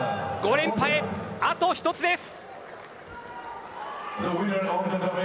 ５連覇へあと１つです。